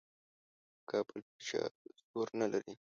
د کابل پاچا زور نه لري.